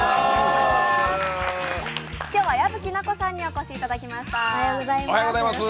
今日は矢吹奈子さんにお越しいただきました。